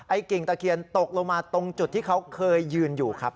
กิ่งตะเคียนตกลงมาตรงจุดที่เขาเคยยืนอยู่ครับ